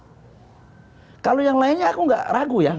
hai kalau yang lainnya aku nggak ragu yang